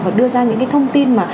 và đưa ra những thông tin